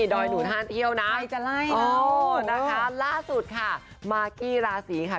ดอยหนูท่านเที่ยวนะโอ้โหนะคะล่าสุดค่ะมากี้ราศีค่ะ